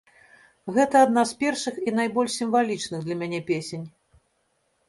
Гэта адна з першых і найбольш сімвалічных для мяне песень.